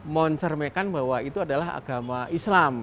yang satu sisinya itu adalah agama islam